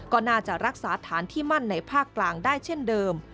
ก็น่าจะรักษาฐานที่มั่นในภาคกลางได้เช่นเดิม